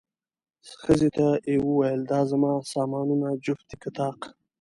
ښځې ته یې وویل، دا زما سامانونه جفت دي که طاق؟